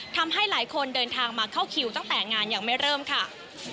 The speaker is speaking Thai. ทำให้หลายคนเดินทางมาเข้าคิวตั้งแต่งานยังไม่เริ่มค่ะ